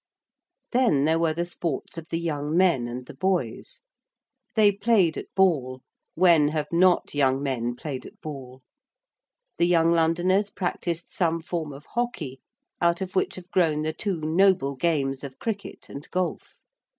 Then there were the sports of the young men and the boys. They played at ball when have not young men played at ball? The young Londoners practised some form of hockey out of which have grown the two noble games of cricket and golf.